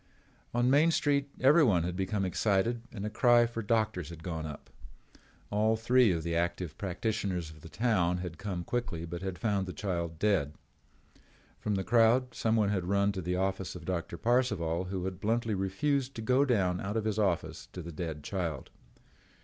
On Main Street everyone had become excited and a cry for doctors had gone up. All three of the active practitioners of the town had come quickly but had found the child dead. From the crowd someone had run to the office of Doctor Parcival who had bluntly refused to go down out of his office to the dead child.